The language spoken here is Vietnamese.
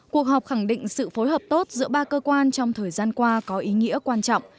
cuộc họp khẳng định sự phối hợp tốt giữa ba cơ quan trong thời gian qua có ý nghĩa quan trọng